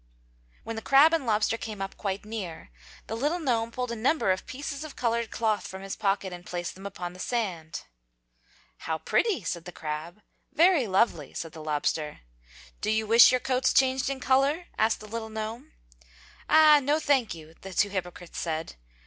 When the crab and the lobster came up quite near the little gnome pulled a number of pieces of colored cloth from his pocket and placed them upon the sand. "How pretty!" said the crab. "Very lovely!" said the lobster. "Do you wish your coats changed in color?" asked the little gnome. "Ah, no, thank you!" the two hypocrites said.